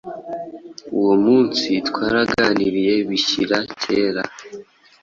Uwo munsi twaraganiriye bishyira kera,